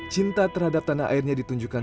cinta terhadap tanah airnya ditunjukkan